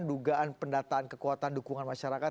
dugaan pendataan kekuatan dukungan masyarakat